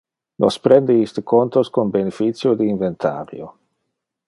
Nos prende iste contos con beneficio de inventario.